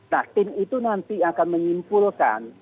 nah tim itu nanti akan menyimpulkan